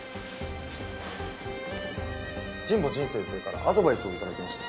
神保仁先生からアドバイスをいただきました。